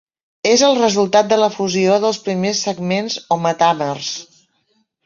És el resultat de la fusió dels primers segments o metàmers.